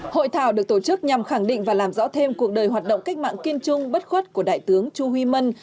hội thảo được tổ chức nhằm khẳng định và làm rõ thêm cuộc đời hoạt động cách mạng kiên trung bất khuất của đại tướng chu huy mân